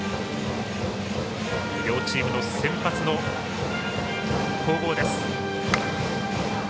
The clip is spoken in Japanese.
両チームの先発の攻防です。